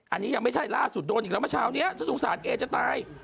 อันนี้ยังไม่ใช่ล่าสุดโดนอีกแล้วเมื่อเช้านี้ถ้าสงสารเอจะตาย